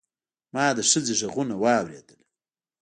ما د ښځې غږونه واورېدل.